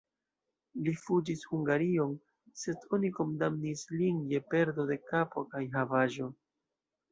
Li fuĝis Hungarion, sed oni kondamnis lin je perdo de kapo kaj havaĵo.